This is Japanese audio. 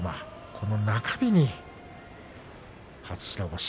この中日に初白星。